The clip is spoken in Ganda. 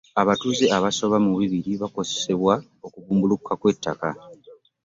Abatuuze abasoba mu bbibiri baakosebwa okubumbulukuka kw'ettaka.